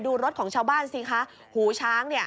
ดูรถของชาวบ้านสิคะหูช้างเนี่ย